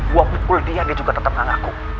gue pukul dia dia juga tetap gak ngaku